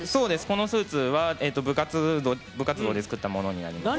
このスーツは部活動で作ったものになります。